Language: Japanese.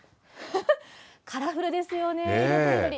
カラフルですよね、色とりどり。